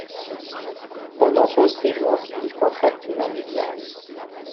Pendant son séjour, il contracte une amibiase.